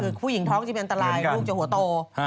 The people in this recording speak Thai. คือผู้หญิงท้องจะเป็นอันตรายลูกจะหัวโต